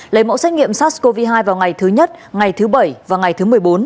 lấy mẫu xét nghiệm sars cov hai vào ngày thứ nhất ngày thứ bảy và ngày thứ một mươi bốn